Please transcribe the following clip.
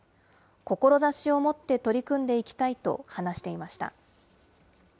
志を持って取り組んでいきたいと話していました。